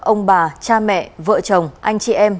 ông bà cha mẹ vợ chồng anh chị em